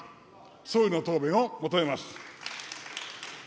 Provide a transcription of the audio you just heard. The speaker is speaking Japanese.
総理の答弁を求めます。